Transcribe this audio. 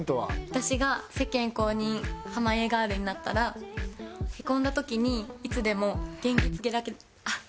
私が世間公認濱家ガールになったらへこんだ時にいつでも元気づけらけあっ！